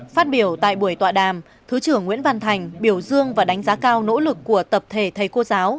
phát biểu tại buổi tọa đàm thứ trưởng nguyễn văn thành biểu dương và đánh giá cao nỗ lực của tập thể thầy cô giáo